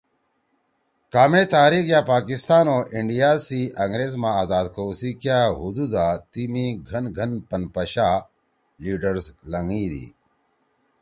کامے تحریک یأ پاکستان او انڈیا سی انگریز ما آذاد کؤ سی کیا ہُودُدا تی می گھن گھن پن پشا (لیڈرز) لھنگئی دی